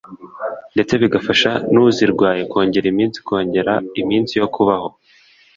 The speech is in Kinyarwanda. ndetse bigafasha n’uzirwaye kongera iminsi kongera iminsi yo kubaho